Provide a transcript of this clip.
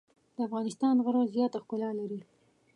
د افغانستان غره زیاته ښکلا لري.